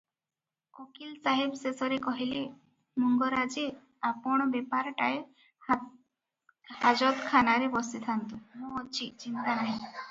ଓକିଲ ସାହେବ ଶେଷରେ କହିଲେ -"ମଙ୍ଗରାଜେ! ଆପଣ ବେପାରବାଏ ହାଜତଖାନାରେ ବସିଥାନ୍ତୁ, ମୁଁ ଅଛି, ଚିନ୍ତା ନାହିଁ ।"